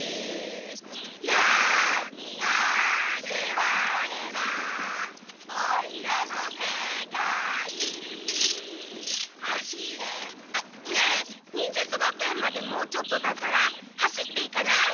闇が迫ればおいらの世界走れ」ねえ忍術学園までもうちょっとだから走っていかない？